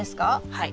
はい。